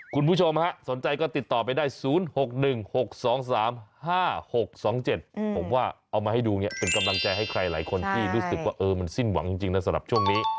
คุณผู้ชมฮะสนใจก็ติดต่อไปได้๐๖๑๖๒๓๕๖๒๗ผมว่าเอามาให้ดูเนี่ยเป็นกำลังใจให้ใครหลายคนที่รู้สึกว่ามันสิ้นหวังจริงนะสำหรับช่วงนี้